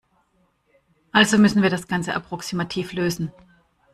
Also müssen wir das Ganze approximativ lösen.